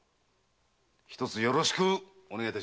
ひとつよろしくお願いいたします。